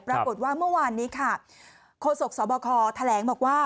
ปรากฏว่าเมื่อวานนี้ค่ะโฆษกสบคแถลงบอกว่า